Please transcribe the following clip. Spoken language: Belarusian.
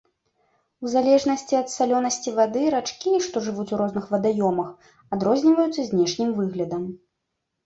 У залежнасці ад салёнасці вады рачкі, што жывуць у розных вадаёмах, адрозніваюцца знешнім выглядам.